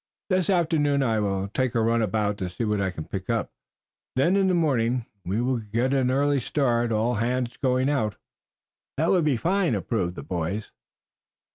This afternoon I will take a run about to see what I can pick up; then in the morning we will get an early start, all hands going out." "That will be fine," approved the boys.